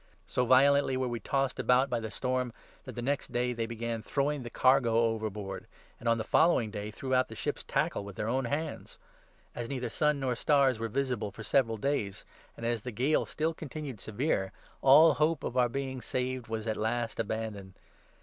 So violently were we 18 tossed about by the storm, that the next day they began throw ing the cargo overboard, and, on the following day, threw out 19 the ship's tackle with their own hands. As neither sun nor 20 stars were visible for several days, and, as the gale still con tinued severe, all hope of our being saved was at last aban doned.